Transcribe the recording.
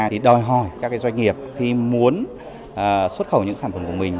thì đòi hỏi các doanh nghiệp khi muốn xuất khẩu những sản phẩm của mình